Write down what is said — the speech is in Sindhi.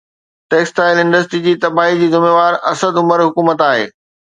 ٽيڪسٽائيل انڊسٽري جي تباهي جي ذميوار اسد عمر حڪومت آهي